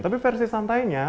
tapi versi santainya